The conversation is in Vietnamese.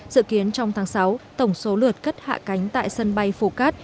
dự kiến trong tháng sáu tổng số lượt cất hạ cánh tại sân bay phú cát